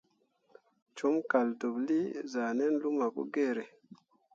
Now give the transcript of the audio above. Com kaldeɓlii zah nan luma Pugiere.